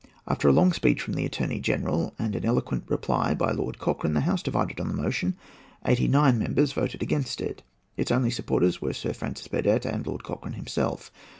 After a long speech from the Attorney General, and an eloquent reply by Lord Cochrane, the House divided on the motion. Eighty nine members voted against it. Its only supporters were Sir Francis Burdett and Lord Cochrane himself.